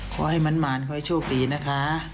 ขอให้มันมานขอให้โชคดีนะคะ